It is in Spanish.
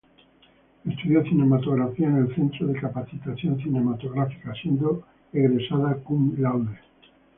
Estudió cinematografía en el Centro de Capacitación Cinematográfica, siendo egresada Cum Laude.